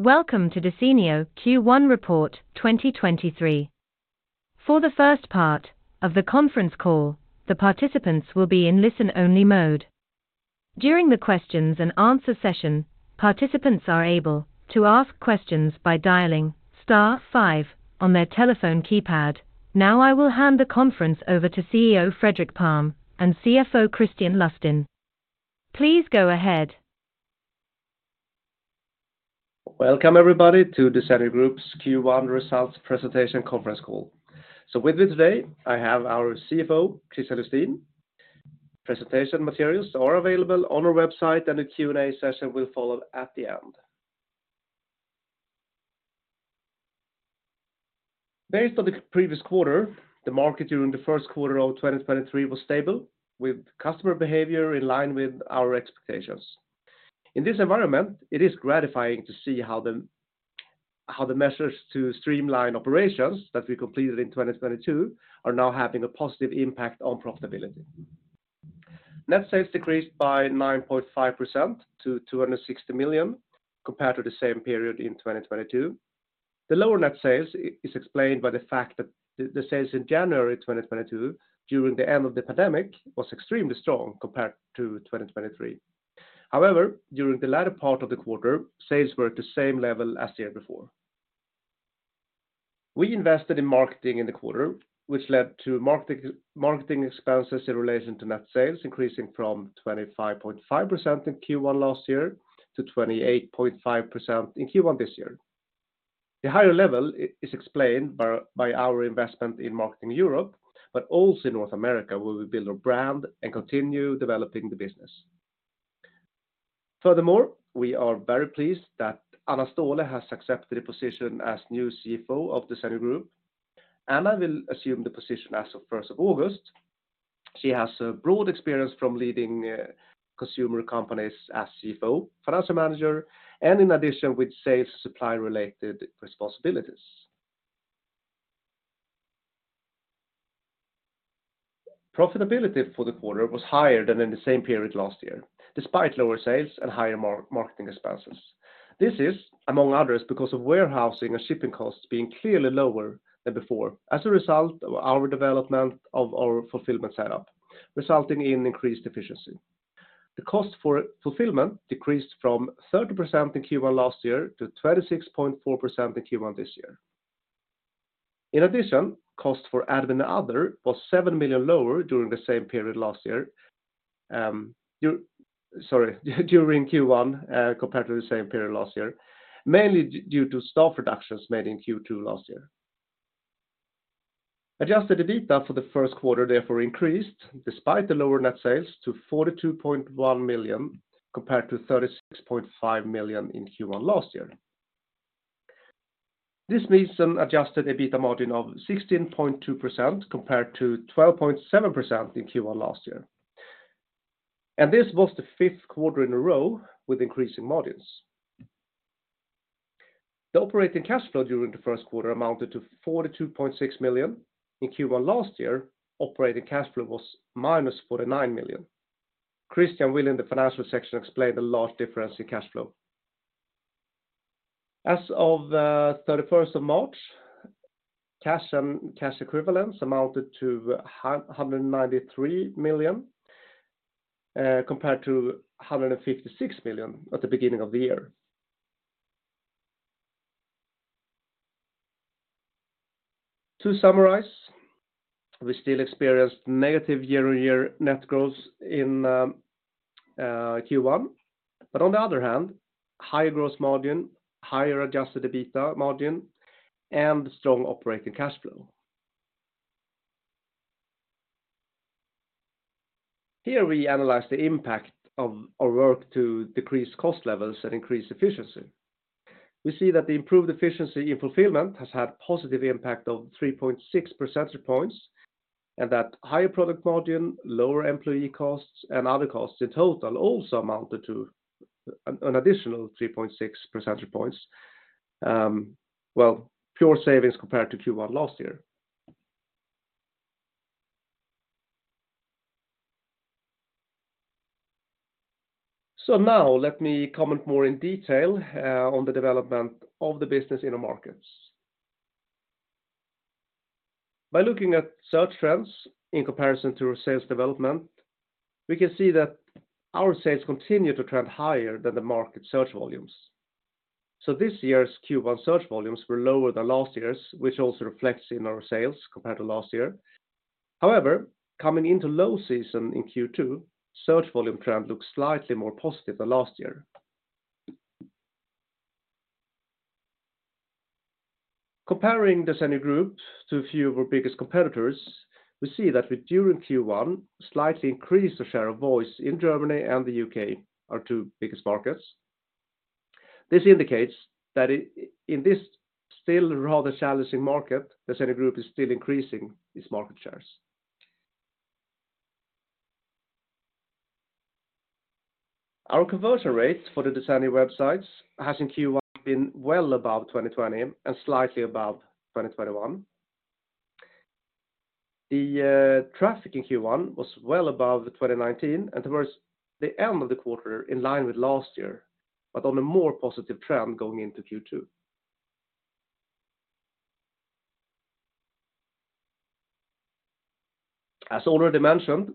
Welcome to Desenio Q1 Report 2023. For the first part of the conference call, the participants will be in listen-only mode. During the questions and answer session, participants are able to ask questions by dialing star five on their telephone keypad. Now I will hand the conference over to CEO Fredrik Palm and CFO Kristian Lustin. Please go ahead. Welcome everybody to Desenio Group's Q1 results presentation conference call. With me today, I have our CFO, Kristian Lustin. Presentation materials are available on our website, and the Q&A session will follow at the end. Based on the previous quarter, the market during the Q1 of 2023 was stable, with customer behavior in line with our expectations. In this environment, it is gratifying to see how the measures to streamline operations that we completed in 2022 are now having a positive impact on profitability. Net sales decreased by 9.5% to 260 million compared to the same period in 2022. The lower net sales is explained by the fact that the sales in January 2022 during the end of the pandemic was extremely strong compared to 2023. During the latter part of the quarter, sales were at the same level as the year before. We invested in marketing in the quarter, which led to marketing expenses in relation to net sales increasing from 25.5% in Q1 last year to 28.5% in Q1 this year. The higher level is explained by our investment in marketing Europe, but also in North America, where we build our brand and continue developing the business. Furthermore, we are very pleased that Anna Ståhle has accepted a position as new CFO of Desenio Group. Anna will assume the position as of first of August. She has a broad experience from leading consumer companies as CFO, financial manager, and in addition with sales supply related responsibilities. Profitability for the quarter was higher than in the same period last year, despite lower sales and higher marketing expenses. This is among others, because of warehousing and shipping costs being clearly lower than before as a result of our development of our fulfillment setup, resulting in increased efficiency. The cost for fulfillment decreased from 30% in Q1 last year to 26.4% in Q1 this year. In addition, cost for admin and other was 7 million lower during the same period last year, Sorry, during Q1, compared to the same period last year, mainly due to staff reductions made in Q2 last year. Adjusted EBITDA for the Q1 therefore increased despite the lower net sales to 42.1 million compared to 36.5 million in Q1 last year. This means an adjusted EBITDA margin of 16.2% compared to 12.7% in Q1 last year. This was the fifth quarter in a row with increasing margins. The operating cash flow during the Q1 amounted to 42.6 million. In Q1 last year, operating cash flow was -49 million. Kristian will in the financial section explain the large difference in cash flow. As of the 31st of March, cash and cash equivalents amounted to 193 million compared to 156 million at the beginning of the year. To summarize, we still experienced negative year-over-year net growth in Q1. On the other hand, higher gross margin, higher adjusted EBITDA margin, and strong operating cash flow. Here we analyze the impact of our work to decrease cost levels and increase efficiency. We see that the improved efficiency in fulfillment has had positive impact of 3.6 percentage points, and that higher product margin, lower employee costs, and other costs in total also amounted to an additional 3.6 percentage points, well, pure savings compared to Q1 last year. Now let me comment more in detail on the development of the business in the markets. By looking at search trends in comparison to our sales development, we can see that our sales continue to trend higher than the market search volumes. This year's Q1 search volumes were lower than last year's, which also reflects in our sales compared to last year. However, coming into low season in Q2, search volume trend looks slightly more positive than last year. Comparing Desenio Group to a few of our biggest competitors, we see that we, during Q1, slightly increased the share of voice in Germany and the UK, our two biggest markets. This indicates that in this still rather challenging market, Desenio Group is still increasing its market shares. Our conversion rates for the Desenio websites has in Q1 been well above 2020 and slightly above 2021. The traffic in Q1 was well above the 2019 and towards the end of the quarter in line with last year, but on a more positive trend going into Q2. As already mentioned,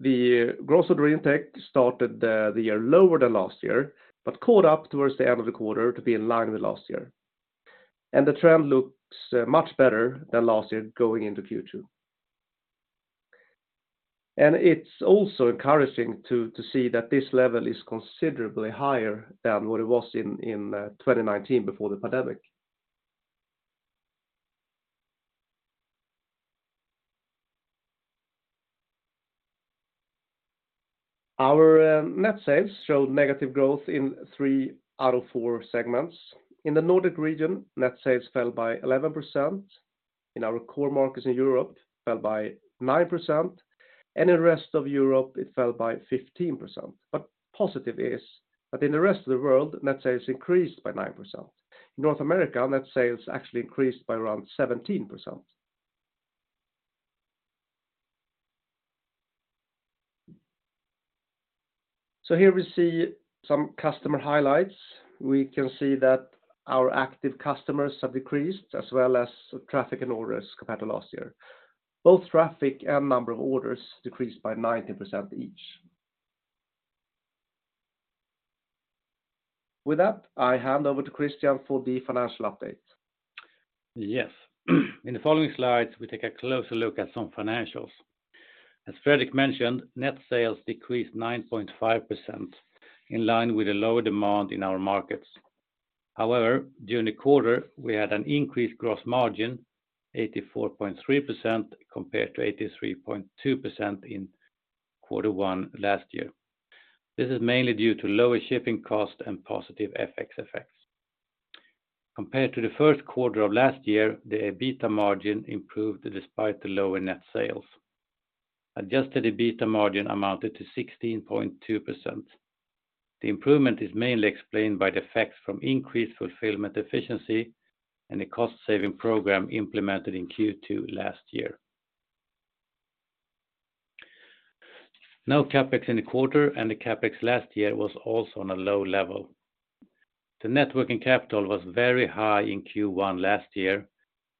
the gross order intake started the year lower than last year, but caught up towards the end of the quarter to be in line with last year. The trend looks much better than last year going into Q2. It's also encouraging to see that this level is considerably higher than what it was in 2019 before the pandemic. Our net sales showed negative growth in three out of four segments. In the Nordic region, net sales fell by 11%. In our core markets in Europe, fell by 9%. In rest of Europe, it fell by 15%. Positive is that in the rest of the world, net sales increased by 9%. In North America, net sales actually increased by around 17%. Here we see some customer highlights. We can see that our active customers have decreased, as well as traffic and orders compared to last year. Both traffic and number of orders decreased by 19% each. With that, I hand over to Kristian for the financial update. Yes. In the following slides, we take a closer look at some financials. As Fredrik mentioned, net sales decreased 9.5% in line with a lower demand in our markets. During the quarter, we had an increased gross margin, 84.3% compared to 83.2% in quarter one last year. This is mainly due to lower shipping cost and positive FX effects. Compared to the Q1 of last year, the EBITDA margin improved despite the lower net sales. Adjusted EBITDA margin amounted to 16.2%. The improvement is mainly explained by the effects from increased fulfillment efficiency and the cost saving program implemented in Q2 last year. No CapEx in the quarter, the CapEx last year was also on a low level. The net working capital was very high in Q1 last year,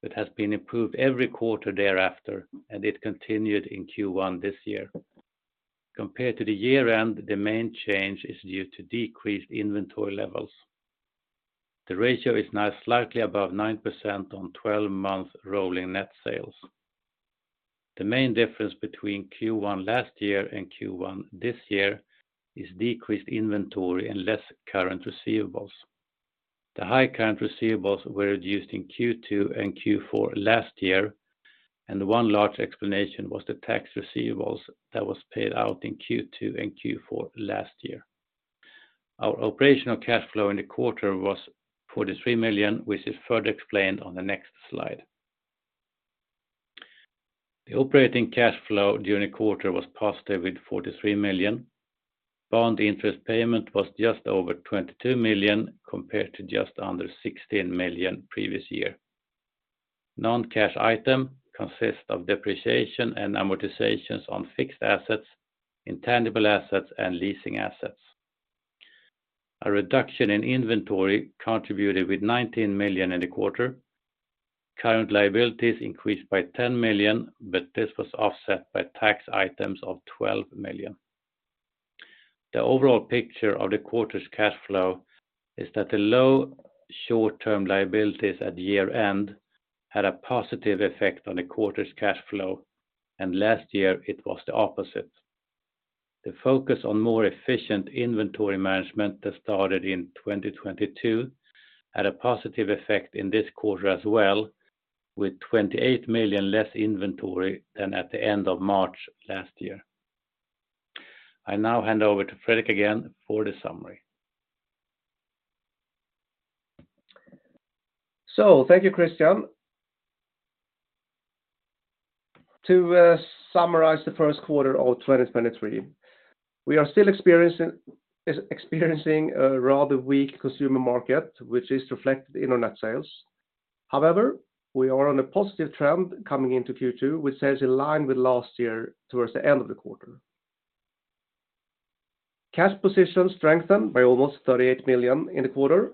but has been improved every quarter thereafter, and it continued in Q1 this year. Compared to the year-end, the main change is due to decreased inventory levels. The ratio is now slightly above 9% on 12-month rolling net sales. The main difference between Q1 last year and Q1 this year is decreased inventory and less current receivables. One large explanation was the tax receivables that was paid out in Q2 and Q4 last year. Our operational cash flow in the quarter was 43 million, which is further explained on the next slide. The operating cash flow during the quarter was positive with 43 million. Bond interest payment was just over 22 million compared to just under 16 million previous year. Non-cash item consists of depreciation and amortizations on fixed assets, intangible assets, and leasing assets. A reduction in inventory contributed with 19 million in the quarter. Current liabilities increased by 10 million, this was offset by tax items of 12 million. The overall picture of the quarter's cash flow is that the low short-term liabilities at year-end had a positive effect on the quarter's cash flow, and last year it was the opposite. The focus on more efficient inventory management that started in 2022 had a positive effect in this quarter as well, with 28 million less inventory than at the end of March last year. I now hand over to Fredrik again for the summary. Thank you, Kristian Lustin. To summarize the Q1 of 2023, we are still experiencing a rather weak consumer market, which is reflected in our net sales. However, we are on a positive trend coming into Q2, which says in line with last year towards the end of the quarter. Cash position strengthened by almost 38 million in the quarter.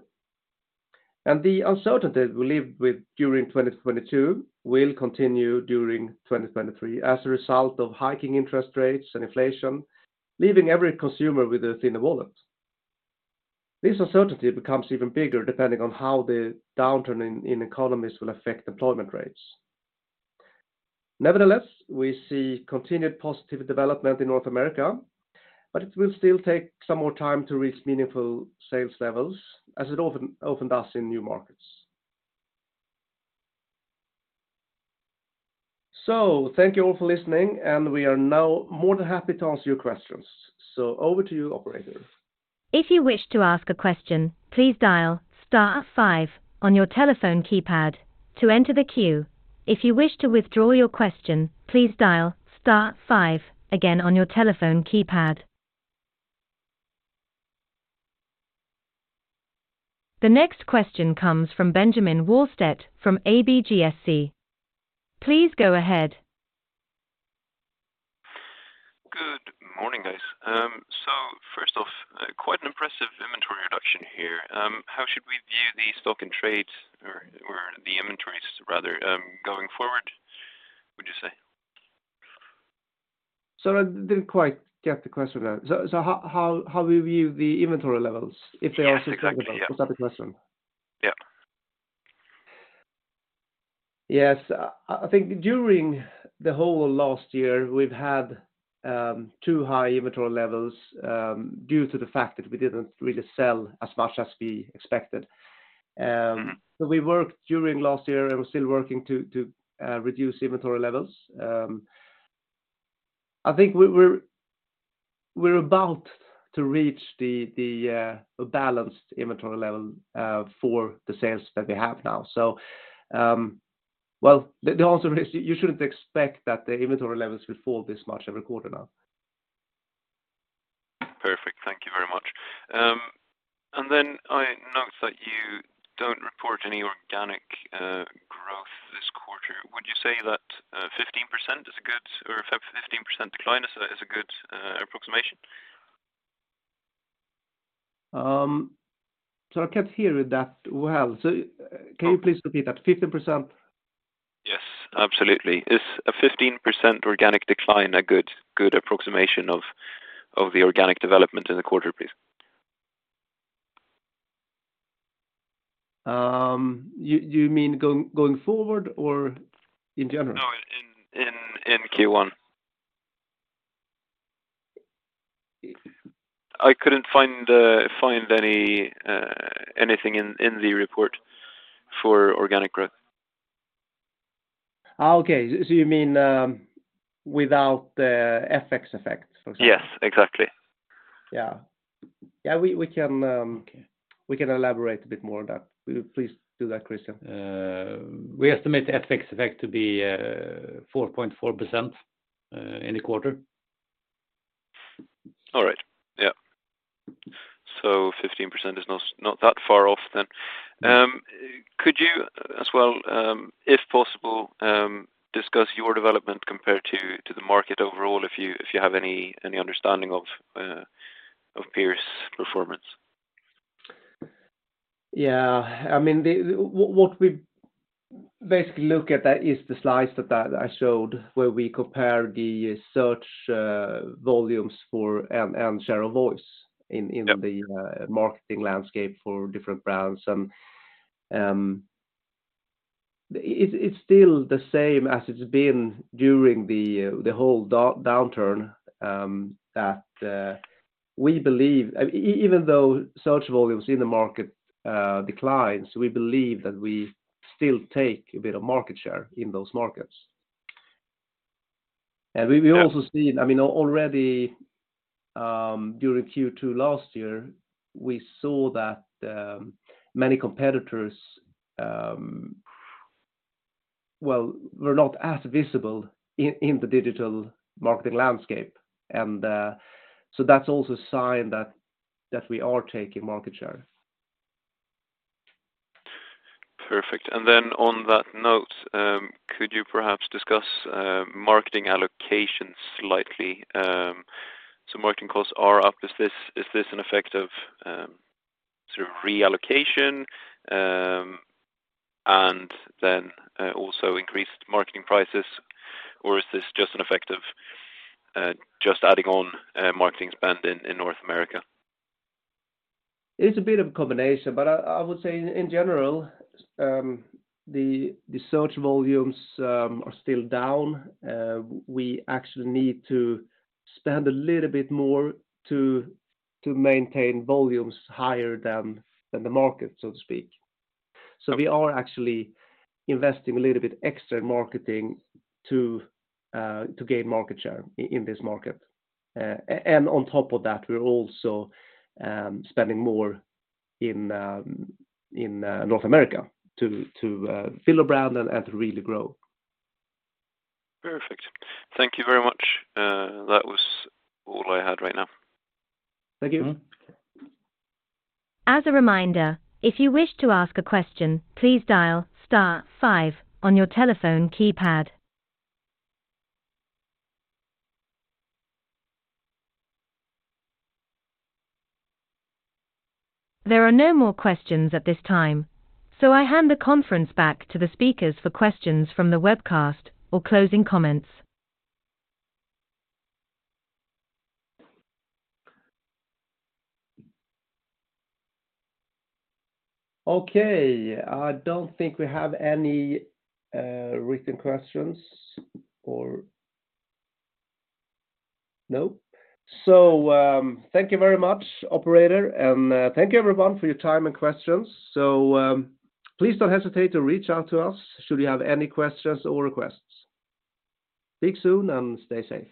The uncertainty we lived with during 2022 will continue during 2023 as a result of hiking interest rates and inflation, leaving every consumer with a thinner wallet. This uncertainty becomes even bigger depending on how the downturn in economies will affect employment rates. Nevertheless, we see continued positive development in North America, but it will still take some more time to reach meaningful sales levels as it often does in new markets. Thank you all for listening, and we are now more than happy to answer your questions. Over to you, operator. If you wish to ask a question, please dial star five on your telephone keypad to enter the queue. If you wish to withdraw your question, please dial star five again on your telephone keypad. The next question comes from Benjamin Wahlstedt from ABGSC. Please go ahead. Good morning, guys. First off, quite an impressive inventory reduction here. How should we view the stock and trades or the inventories rather, going forward, would you say? Sorry, I didn't quite get the question there. How we view the inventory levels if they are sustainable? Yes, exactly. Yes. Was that the question? Yeah. Yes. I think during the whole last year, we've had too high inventory levels due to the fact that we didn't really sell as much as we expected. We worked during last year and we're still working to reduce inventory levels. I think we're about to reach a balanced inventory level for the sales that we have now. Well, the answer is you shouldn't expect that the inventory levels will fall this much every quarter now. Perfect. Thank you very much. I note that you don't report any organic growth this quarter. Would you say that 15% is a good or 15% decline is a good approximation? I can't hear that well. Can you please repeat that? 15%? Absolutely. Is a 15% organic decline a good approximation of the organic development in the quarter, please? You mean going forward or in general? No, in Q1. I couldn't find anything in the report for organic growth. Okay. You mean, without the FX effects, for example? Yes, exactly. Yeah. Yeah. We can elaborate a bit more on that. Will you please do that, Kristian? We estimate the FX effect to be 4.4% in the quarter. All right. Yeah. 15% is not that far off then. Could you as well, if possible, discuss your development compared to the market overall if you have any understanding of peers' performance? Yeah. I mean, what we basically look at that is the slides that I showed where we compare the search volumes for M&M share of voice in the marketing landscape for different brands. It's still the same as it's been during the whole downturn, that we believe even though search volumes in the market declines, we believe that we still take a bit of market share in those markets. We also see, I mean, already during Q2 last year, we saw that many competitors, well, were not as visible in the digital marketing landscape. That's also a sign that we are taking market share. Perfect. On that note, could you perhaps discuss marketing allocations slightly? Marketing costs are up. Is this an effect of sort of reallocation, and then also increased marketing prices or is this just an effect of just adding on marketing spend in North America? It's a bit of a combination. I would say in general, the search volumes are still down. We actually need to spend a little bit more to maintain volumes higher than the market, so to speak. We are actually investing a little bit extra in marketing to gain market share in this market. On top of that, we're also spending more in North America to build a brand and really grow. Perfect. Thank you very much. That was all I had right now. Thank you. Mm-hmm. As a reminder, if you wish to ask a question, please dial star five on your telephone keypad. There are no more questions at this time. I hand the conference back to the speakers for questions from the webcast or closing comments. Okay. I don't think we have any written questions or, No? Thank you very much, operator, and thank you everyone for your time and questions. Please don't hesitate to reach out to us should you have any questions or requests. Speak soon and stay safe.